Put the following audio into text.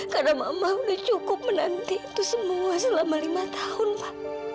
karena mama udah cukup menanti itu semua selama lima tahun pa